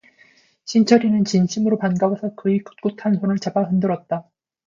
신철이는 진심으로 반가워서 그의 꿋꿋한 손을 잡아 흔들었다.